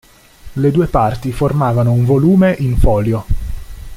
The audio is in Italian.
Le due parti formavano un volume in folio.